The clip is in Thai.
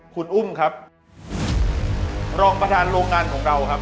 คุณอุ้มครับรองประธานโรงงานของเราครับ